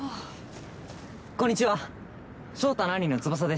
こんにちは！